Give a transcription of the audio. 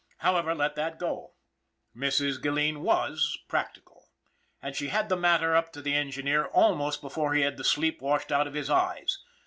However, let that go. Mrs. Gilleen was practical, and she had the matter up to the engineer almost before he had the sleep washed out of his eyes.